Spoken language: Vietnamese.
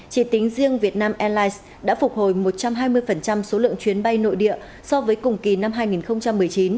chỉ tính riêng việt nam airlines đã phục hồi một trăm hai mươi số lượng chuyến bay nội địa so với cùng kỳ năm hai nghìn một mươi chín